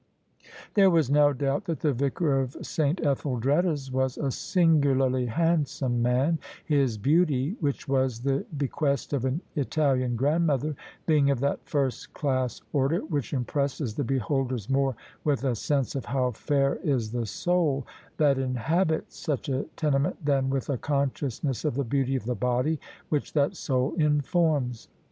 There was no doubt that the Vicar of S. Etheldreda's was a singularly handsome man: his beauty, which was the be quest of an Italian grandmother, being of that first dass order which impresses the beholders more with a sense of how fair is the soul that inhabits such a tenement than with a consciousness of the beauty of the body which that soul informs.